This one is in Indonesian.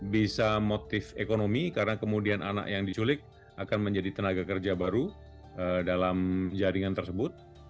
bisa motif ekonomi karena kemudian anak yang diculik akan menjadi tenaga kerja baru dalam jaringan tersebut